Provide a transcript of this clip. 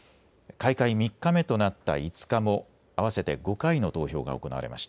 開会３日目となった５日も合わせて５回の投票が行われました。